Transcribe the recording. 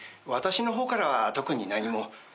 私の方からは特に何も。